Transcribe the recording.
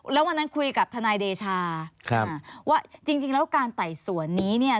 แล้ววันนั้นคุยกับทนายเดชาว่าจริงแล้วการไต่สวนนี้เนี่ย